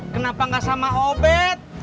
kenapa ga sama obet